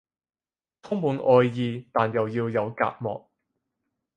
充滿愛意但又要有隔膜